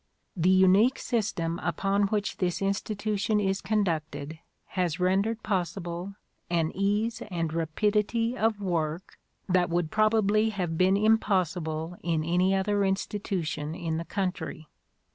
The unique system upon which this institution is conducted has rendered possible an ease and rapidity of work that would probably have been impossible in any other institution in the country.